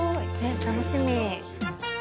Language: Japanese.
楽しみ。